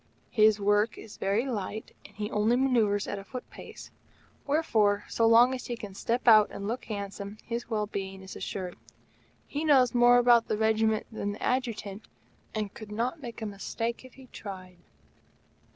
His work is very light, and he only manoeuvres at a foot pace. Wherefore, so long as he can step out and look handsome, his well being is assured. He knows more about the Regiment than the Adjutant, and could not make a mistake if he tried.